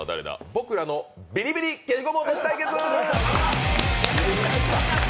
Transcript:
ボクらのビリビリ消しゴム落とし対決！